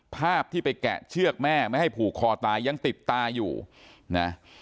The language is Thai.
ภาพที่ไปแกะเชือกแม่ไม่ให้ผูกคอตายยังติดตาอยู่นะ